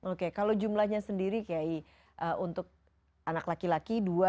oke kalau jumlahnya sendiri kiai untuk anak laki laki